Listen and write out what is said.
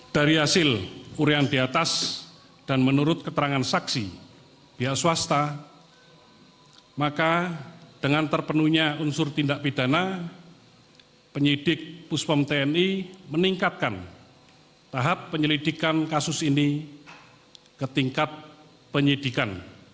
dari hasil urean di atas dan menurut keterangan saksi pihak swasta maka dengan terpenuhnya unsur tindak pidana penyidik puspom tni meningkatkan tahap penyelidikan kasus ini ke tingkat penyidikan